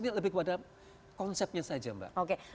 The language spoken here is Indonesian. ini lebih kepada konsepnya saja mbak